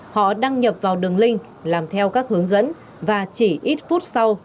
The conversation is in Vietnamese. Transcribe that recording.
họ đăng nhập vào đường link làm theo các hướng dẫn và chỉ ít phút sau